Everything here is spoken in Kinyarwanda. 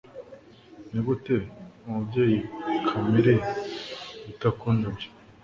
Nigute Umubyeyi Kamere yita ku ndabyo?